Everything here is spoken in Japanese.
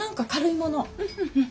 うんうん。